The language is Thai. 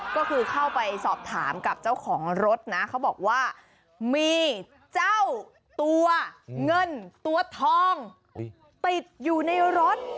ก็คือเข้าไปสอบถามกับเจ้าของรถนะเขาบอกว่ามีเจ้าตัวเงินตัวทองติดอยู่ในรถ